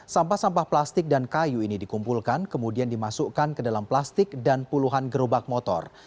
sampah sampah plastik dan kayu ini dikumpulkan kemudian dimasukkan ke dalam plastik dan puluhan gerobak motor